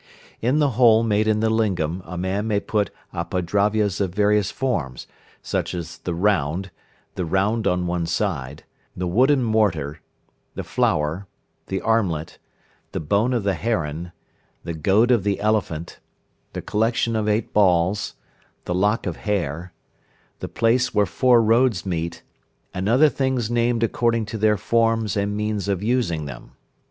In the hole made in the lingam a man may put Apadravyas of various forms, such as the "round," the "round on one side," the "wooden mortar," the "flower," the "armlet," the "bone of the heron," the "goad of the elephant," the "collection of eight balls," the "lock of hair," the "place where four roads meet," and other things named according to their forms and means of using them.